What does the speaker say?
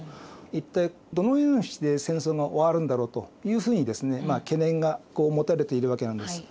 一体どのようにして戦争が終わるんだろうというふうに懸念が持たれているわけなんです。